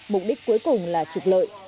mục đích cuối cùng là trục lợi